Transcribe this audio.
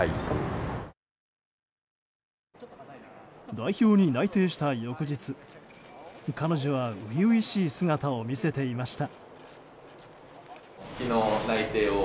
代表に内定した翌日、彼女は初々しい姿を見せていました。